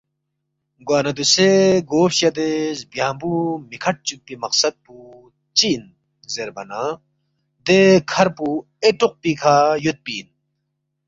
گوانہ دوسے گو فشدے زبیانگبُو مِہ کھٹ چوکپی مقصد پو چِہ اِن زیربا نہ دے کھر پو اے ٹوق پیکھہ یودپی اِن